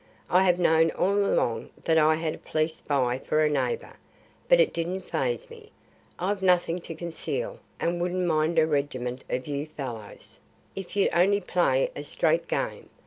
I have known all along that I had a police spy for a neighbour; but it didn't faze me. I've nothing to conceal, and wouldn't mind a regiment of you fellows if you'd only play a straight game.